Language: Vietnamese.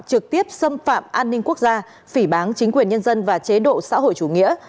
trực tiếp xâm phạm an ninh quốc gia phỉ bán chính quyền nhân dân và chế độ xã hội chủ nghĩa